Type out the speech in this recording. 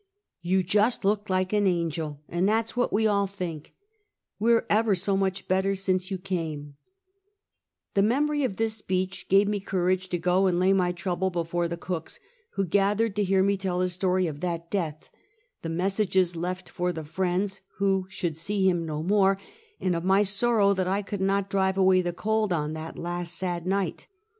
" Yon just look like an angel, and that's what we all think ; we're ever so much better since you came," The memory of this speech gave me courage to go and lay my trouble before the cooks, who gathered to hear me tell the story of that death, the messages left for the friends who should see him no more, and of my sorrow that I could not drive away the cold on that last, sad night.